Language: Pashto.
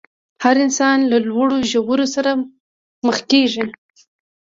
هر انسان له لوړو ژورو سره مخ کېږي.